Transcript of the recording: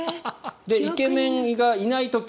イケメンがいない時。